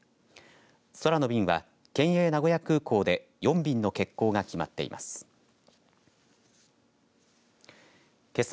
空の便は県営名古屋空港で４便の欠航が決まっています。